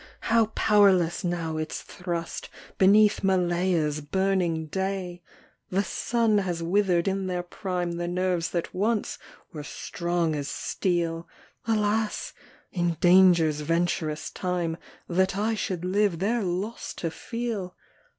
how powerless now its thrust, Beneath Malaya's burning day ! The sun has wither'd in their prime The nerves that once were strong as steel : Alas ! in danger's venturous time That I should live their loss to feel